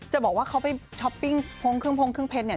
จะบอกว่าเขาไปช็อปปิ้งพงเครื่องเพชร